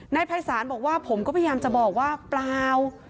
ภัยศาลบอกว่าผมก็พยายามจะบอกว่าเปล่า